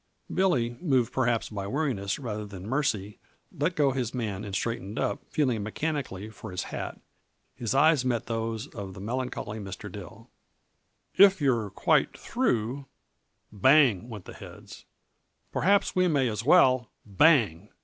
Billy, moved perhaps by weariness rather than mercy, let go his man and straightened up, feeling mechanically for his hat. His eyes met those of the melancholy Mr. Dill. "If you're quite through" bang! went the heads "perhaps we may as well" bang!